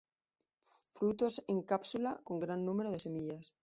Frutos en cápsula, con gran número de semillas.